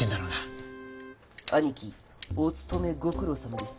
アニキお勤めご苦労さまです。